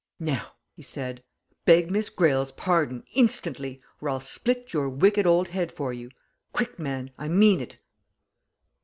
"Now!" he said, "beg Miss Greyle's pardon, instantly, or I'll split your wicked old head for you. Quick, man I mean it!"